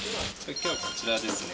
今日はこちらですね。